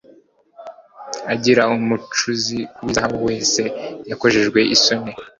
agira umucuzi w izahabu wese yakojejwe isoni